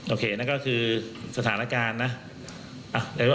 โอเคนั่นก็คือสถานการณ์นะ